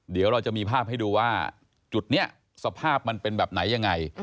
เดี๋ยวเราจะมีภาพให้ดูว่าจุดนี้สภาพมันเป็นแบบไหนยังไง